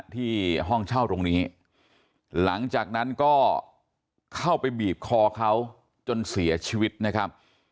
ที่ห้องเช่าตรงนี้หลังจากนั้นก็เข้าไปบีบคอเขาจนเสียชีวิตนะครับ